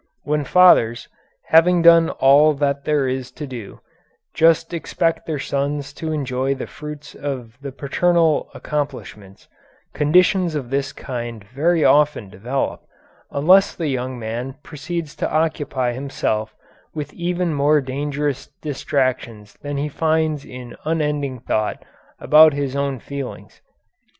When fathers, having done all that there is to do, just expect their sons to enjoy the fruits of the paternal accomplishments, conditions of this kind very often develop, unless the young man proceeds to occupy himself with even more dangerous distractions than he finds in unending thought about his own feelings.